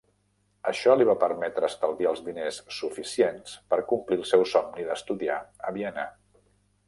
Això li va permetre estalviar els diners suficients per complir el seu somni d"estudiar a Vienna.